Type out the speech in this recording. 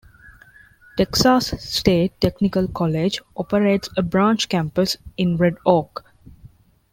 Texas State Technical College operates a branch campus in Red Oak.